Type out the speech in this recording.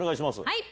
はい！